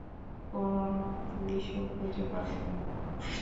কোন পুলিশও খুঁজে পাবে না।